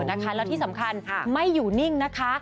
แล้วที่สำคัญไม่อยู่นิ่งนะคะ